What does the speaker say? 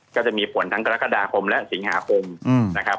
ก็จะมีผลทั้งกรกฎาคมและสิงหาคมนะครับ